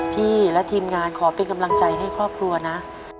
พี่และทีมงานขอเป็นกำลังใจให้ครอบครัวนะ